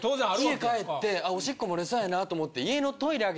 家帰っておしっこ漏れそうやなと思って家の。